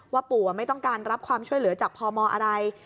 ปู่ไม่ต้องการรับความช่วยเหลือจากพมอะไร